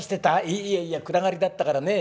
いやいや暗がりだったからね